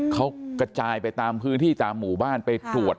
เขากระจายไปตามพื้นที่ตามหมู่บ้านไปตรวจ